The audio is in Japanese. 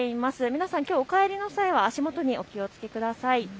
皆さん、お帰りの際は足元にお気をつけください。